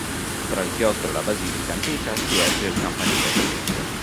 Fra il chiostro e la basilica antica si erge il campanile del tempio.